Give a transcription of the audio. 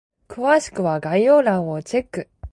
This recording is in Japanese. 詳しくは概要欄をチェック！